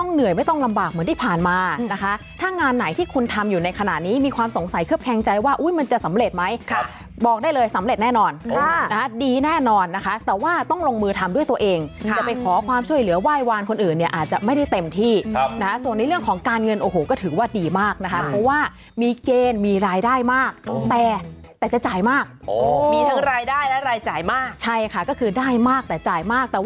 เว้ยตัวเองจะไปขอความช่วยเหลือว่ายวานคนอื่นเนี่ยอาจจะไม่ได้เต็มที่นะส่วนในเรื่องของการเงินโอ้โหก็ถือว่าดีมากนะคะเพราะว่ามีเกณฑ์มีรายได้มากแต่แต่จะจ่ายมากมีทั้งรายได้และรายจ่ายมากใช่ค่ะก็คือได้มากแต่จ่ายมากแต่